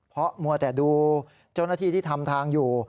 เพราะมัวแต่ดูเจ้าหน้าที่ที่ทำทางอยู่